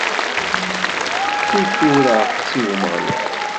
Ssutureɣ-tt i Umeɣlal.